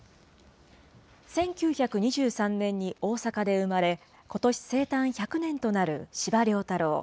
１９２３年に大阪で生まれ、ことし生誕１００年となる司馬遼太郎。